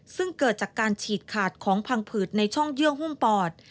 ซึ่งเกิดจากการฉีกขาดของพังผืดในช่องเยื่อหุ้มปอด